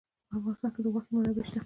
په افغانستان کې د غوښې منابع شته.